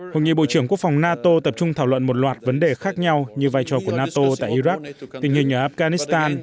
hội nghị bộ trưởng quốc phòng nato tập trung thảo luận một loạt vấn đề khác nhau như vai trò của nato tại iraq tình hình ở afghanistan